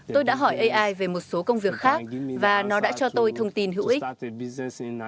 tôi đã hỏi ai về một số công việc khác và nó đã cho tôi thông tin hữu ích